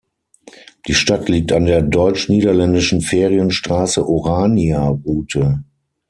Die Stadt liegt an der deutsch-niederländischen Ferienstraße Oranier-Route.